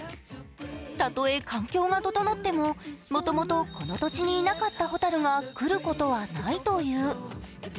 たとえ環境が整っても、もともとこの土地にいなかったホタルが来ることはないという。